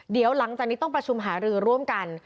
เดี๋ยวหลังจากนี้ต้องประชุมหารือร่วมกัน